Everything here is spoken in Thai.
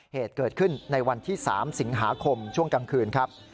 เหตุเกิดขึ้นในวันที่๓สิงหาคมช่วงกลางคืนครับ